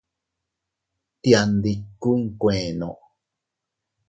Tiandikku nkuenno.